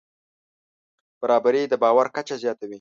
برابري د باور کچه زیاتوي.